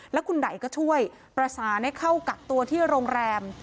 แล้วคุณไดก็ช่วยประสานให้เข้ากักตัวที่โรงแรม